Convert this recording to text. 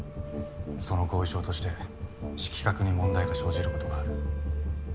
その後遺症として色覚に問題が生じることがある。